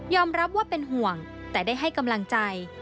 รับว่าเป็นห่วงแต่ได้ให้กำลังใจ